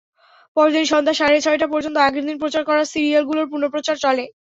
পরদিন সন্ধ্যা সাড়ে ছয়টা পর্যন্ত আগের দিন প্রচার করা সিরিয়ালগুলোর পুনঃপ্রচার চলে।